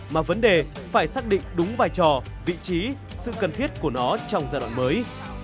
mà vấn đề phải xác định đúng vai trò vị trí sự cần thiết của nó trong giai đoạn mới